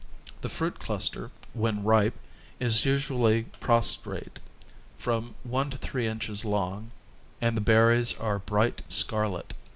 The fruit cluster, when ripe, is usuaUy prostrate, from 1 3 inches long and the berries are bright scarlet.